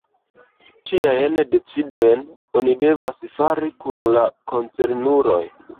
Tiajn decidojn oni devas fari kun la koncernuloj.